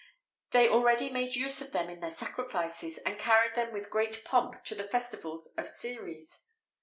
They already made use of them in their sacrifices, and carried them with great pomp in the festivals of Ceres.